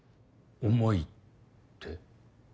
「思い」って？